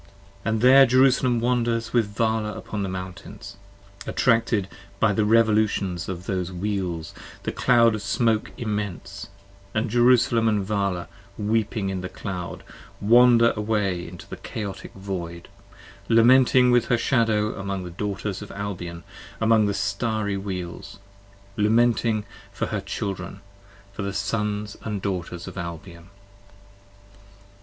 60 And there Jerusalem wanders with Vala upon the mountains. Attracted by the revolutions of those Wheels the Cloud of smoke Immense, and Jerusalem & Vala weeping in the Cloud, Wander away into the Chaotic Void, lamenting with her Shadow Among the Daughters of Albion, among the Starry Wheels: 65 Lamenting for her children, for the sons & daughters of Albion.